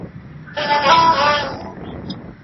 سوسیالیستان اجتماعي ملکیت ته ارزښت ورکوي.